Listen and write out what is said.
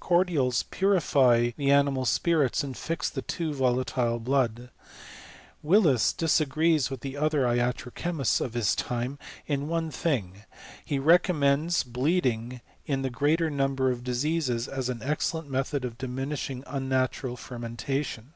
Cordials purify the animai afHiits, and fix the too volalJlc blood. Willis dis agrees with the other iatro cheniists of his time in one magi he recommends bleeding in the greater num ber of diseases, as an excellent method of diminishing unnatural fermentation.